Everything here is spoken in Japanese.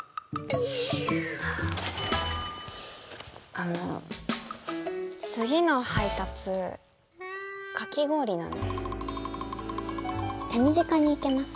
あの次の配達かき氷なんで手短にいけます？